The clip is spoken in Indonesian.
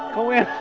kamu yang naik